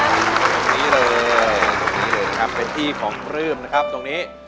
ตรงนี้เลยครับเป็นที่ของปลื้มนะครับตรงนี้